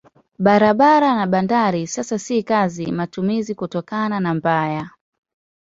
Barabara na bandari sasa si katika matumizi kutokana na mbaya.